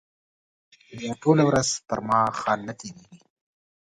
بیا ټوله ورځ پر ما ښه نه تېرېږي.